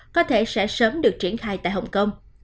có thể sẽ sớm được triển khai tại hồng kông